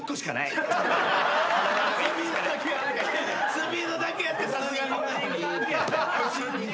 スピードだけやってさすがに。